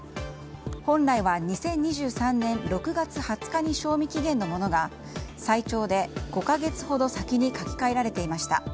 本来は２０２３年６月２０日に賞味期限のものが最長で５か月ほど先に書き換えられていました。